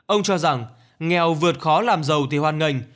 ông cho rằng nghèo vượt khó làm giàu thì hoan nghành